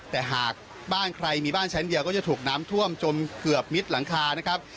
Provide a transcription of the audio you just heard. แต่หากบ้านใครมีบ้านชั้นเดียวก็จะถูกน้ำท่วมจนเกือบมิดหลังคานะครับ